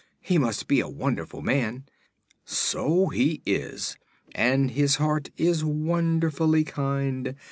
"He must be a wonderful man." "So he is, and his heart is wonderfully kind.